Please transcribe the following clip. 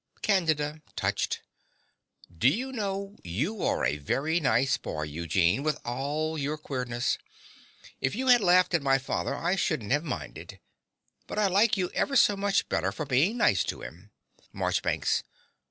CANDIDA (touched). Do you know, you are a very nice boy, Eugene, with all your queerness. If you had laughed at my father I shouldn't have minded; but I like you ever so much better for being nice to him. MARCHBANKS.